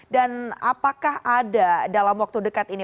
dan apakah ada dalam waktu dekat ini